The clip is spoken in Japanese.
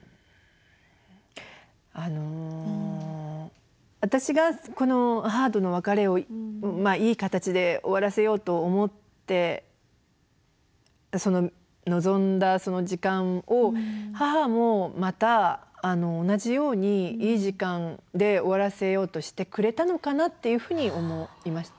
あの私がこの母との別れをいい形で終わらせようと思って臨んだその時間を母もまた同じようにいい時間で終わらせようとしてくれたのかなっていうふうに思いました。